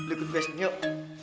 ikut gue sini yuk